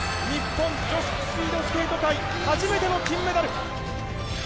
日本女子スピードスケート界初めての金メダル。